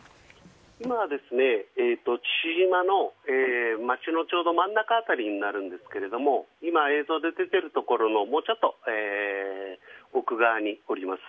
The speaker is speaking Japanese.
今は父島の街のちょうど真ん中辺りになるんですが今、映像で出ているところのもうちょっと奥側におります。